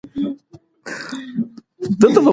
څنګه خلک مرسته ترلاسه کوي؟